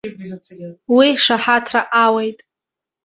Уи шаҳаҭра ауеит.